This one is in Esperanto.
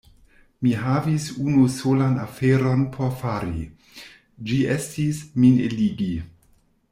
Mi havis unu solan aferon por fari: ĝi estis, min eligi.